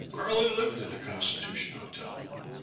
Garland lived at the Constitution Hotel.